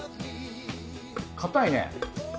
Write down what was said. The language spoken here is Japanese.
硬いね。